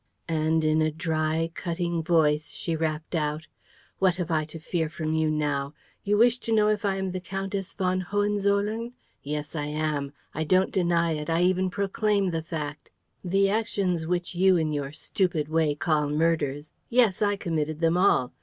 And, in a dry, cutting voice, she rapped out: "What have I to fear from you now? You wish to know if I am the Countess von Hohenzollern? Yes, I am. I don't deny it, I even proclaim the fact. The actions which you, in your stupid way, call murders, yes, I committed them all.